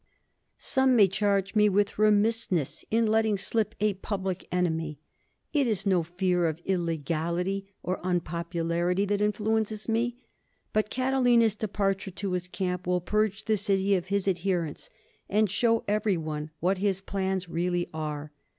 _Some may charge me with remissness in letting slip a public enemy. It is no fear of illegality, or unpopularity that influences me. But Catilina's departure to his camp will purge the city of his adherents, and show everyone what his plans really are.